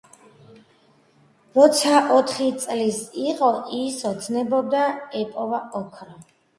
როცა ოთხი წლის იყო, ის ოცნებობდა ეპოვა ოქრო.